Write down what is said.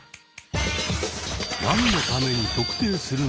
何のために「特定」するのか。